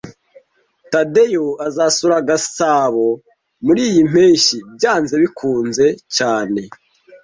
Tadeyo azasura Gasabo muriyi mpeshyi byanze bikunze cyane